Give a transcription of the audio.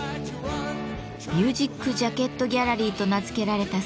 「ミュージックジャケットギャラリー」と名付けられたスペースです。